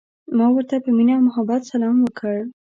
ما ورته په مینه او محبت سلام وکړ.